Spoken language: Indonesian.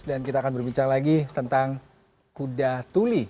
dan kita akan berbincang lagi tentang kuda tuli